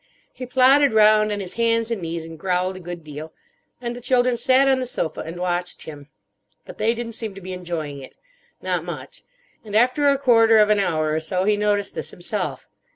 He plodded round on his hands and knees and growled a good deal, and the children sat on the sofa and watched him. But they didn't seem to be enjoying it, not much; and after a quarter of an hour or so he noticed this himself.